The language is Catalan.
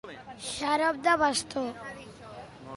Xarop de bastó.